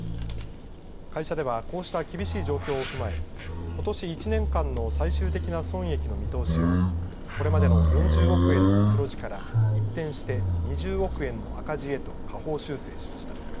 会社ではこうした厳しい状況を踏まえことし１年間の最終的な損益の見通しをこれまでの４０億円の黒字から一転して２０億円の赤字へと下方修正しました。